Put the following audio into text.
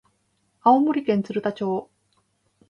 青森県鶴田町